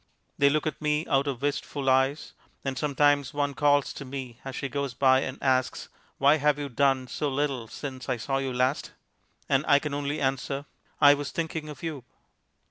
They look at me out of wistful eyes, and sometimes one calls to me as she goes by and asks, "Why have you done so little since I saw you last?" And I can only answer, "I was thinking of you."